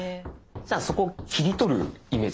じゃあそこ切り取るイメージですかね。